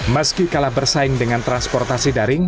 meski kalah bersaing dengan transportasi daring